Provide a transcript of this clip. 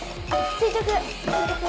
垂直！